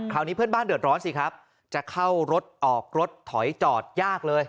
คราวนี้เพื่อนบ้านเดือดร้อนสิครับจะเข้ารถออกรถถอยจอดยากเลย